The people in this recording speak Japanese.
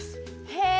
へえ。